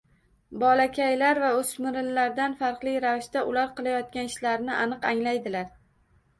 Bolakaylar va o‘smirlardan farqli ravishda ular qilayotgan ishlarini aniq anglaydilar.